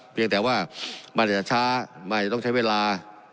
เพียงแต่ว่ามันจะช้าไม่ต้องใช้เวลา